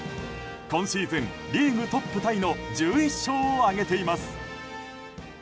今シーズン、リーグトップタイの１１勝を挙げています。